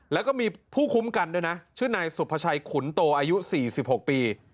แล้วก็มีผู้คุ้มกันด้วยนะชื่อนายสุภาชัยขุนโตอายุ๔๖ปี